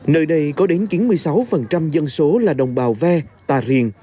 nơi đây có đến chín mươi sáu dân số là đồng bào ve tà rìa